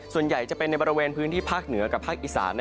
ส่วนใหญ่จะเป็นในบริเวณพื้นที่ภาคเหนือกับภาคอีสาน